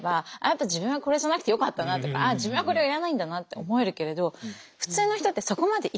やっぱ自分はこれじゃなくてよかったなとかあっ自分はこれはいらないんだなって思えるけれどはい。